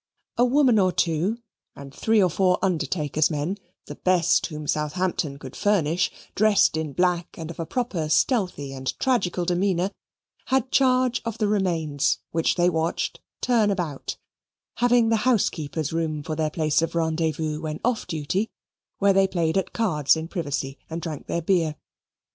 A woman or two, and three or four undertaker's men, the best whom Southampton could furnish, dressed in black, and of a proper stealthy and tragical demeanour, had charge of the remains which they watched turn about, having the housekeeper's room for their place of rendezvous when off duty, where they played at cards in privacy and drank their beer.